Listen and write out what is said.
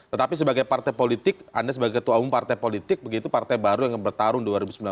tetapi sebagai partai politik anda sebagai ketua umum partai politik begitu partai baru yang bertarung dua ribu sembilan belas